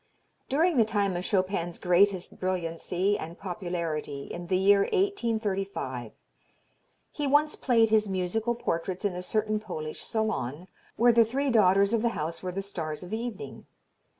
"During the time of Chopin's greatest brilliancy and popularity, in the year 1835, he once played his musical portraits in a certain Polish salon, where the three daughters of the house were the stars of the evening.